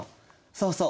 そうそう。